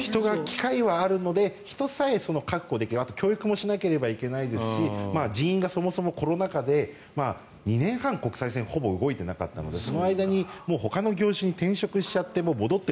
機械はあるので人さえ確保できればあと教育もしなきゃいけないですし人員もそもそもコロナ禍で２年半、国際線はほぼ動いていなかったのでその間にほかの業種に転職しちゃって戻って